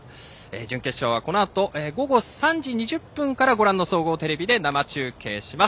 準決勝は午後３時２０分からご覧の総合テレビで生中継します。